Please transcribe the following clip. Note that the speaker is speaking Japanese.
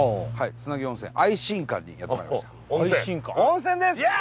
つなぎ温泉愛真館にやってまいりました温泉？